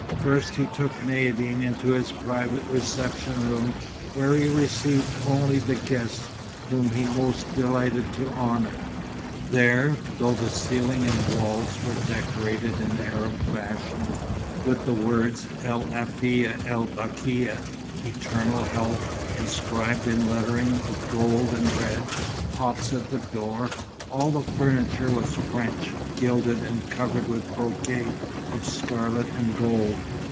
First he took Maïeddine into his private reception room, where he received only the guests whom he most delighted to honour. There, though the ceiling and walls were decorated in Arab fashion, with the words, El Afia el Bakia, "eternal health," inscribed in lettering of gold and red, opposite the door, all the furniture was French, gilded, and covered with brocade of scarlet and gold.